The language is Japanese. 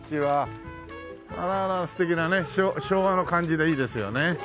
あらあら素敵なね昭和の感じでいいですよね。